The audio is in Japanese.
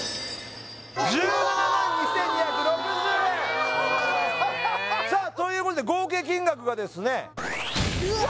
１７万２２６０円うわええさあということで合計金額がですねうわ